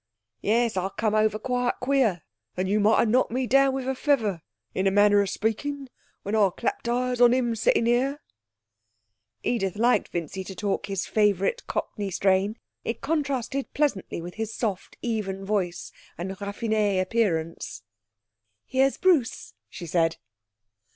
Yes, I come over quite queer and you might have knocked me down with a feather, in a manner of speaking, when I clapped eyes on him setting here.' Edith liked Vincy to talk in his favourite Cockney strain. It contrasted pleasantly with his soft, even voice and raffiné appearance. 'Here's Bruce,' she said.